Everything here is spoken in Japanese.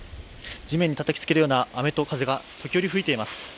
地面にたたきつけるような雨と風が時折吹いています。